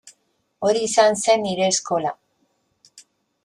Hori izan zen nire eskola.